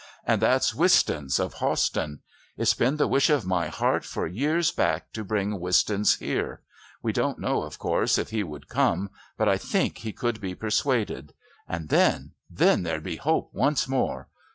"And that's Wistons of Hawston. It's been the wish of my heart for years back to bring Wistons here. We don't know, of course, if he would come, but I think he could be persuaded. And then then there'd be hope once more!